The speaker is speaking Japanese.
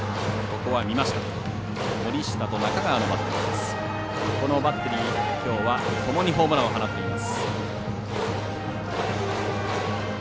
このバッテリーきょうは、ともにホームランを放っています。